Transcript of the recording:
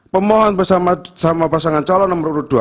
pemohon bersama pasangan calon nomor urut dua